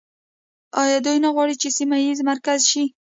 آیا دوی نه غواړي چې سیمه ییز مرکز شي؟